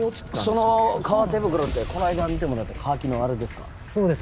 その革手袋ってこの間見てもらったカーキのあれですかそうです